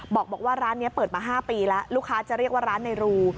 บอกว่าร้านนี้เปิดมา๕ปีแล้วลูกค้าจะเรียกว่าร้านในรู